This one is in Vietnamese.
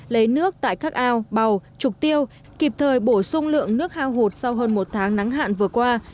lấy nước tại các ao bào trục tiêu kịp thời bổ sung lượng nước hao hụt sau hơn một tháng nắng hạn vừa qua